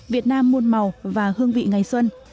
việt nam muôn màu và hương vị ngày xuân